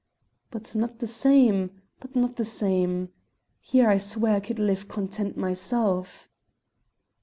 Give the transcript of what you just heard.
"But not the same, but not the same! Here I swear I could live content myself."